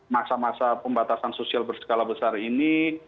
masa masa pembatasan sosial berskala besar ini